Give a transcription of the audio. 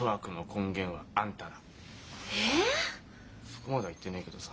そこまでは言ってねえけどさ。